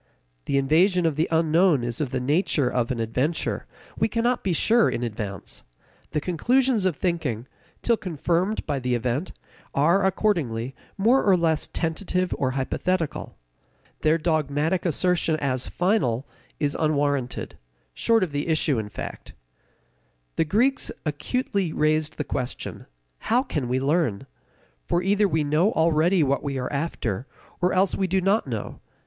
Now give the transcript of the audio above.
The invasion of the unknown is of the nature of an adventure; we cannot be sure in advance. The conclusions of thinking, till confirmed by the event, are, accordingly, more or less tentative or hypothetical. Their dogmatic assertion as final is unwarranted, short of the issue, in fact. The Greeks acutely raised the question: How can we learn? For either we know already what we are after, or else we do not know.